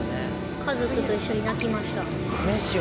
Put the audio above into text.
家族と一緒に泣きました。